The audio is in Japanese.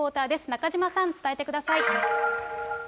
中島さん、伝えてください。